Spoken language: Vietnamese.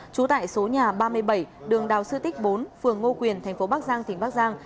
trú tại số nhà ba mươi bảy đường đào sư tích bốn phường ngô quyền thành phố bắc giang tỉnh bắc giang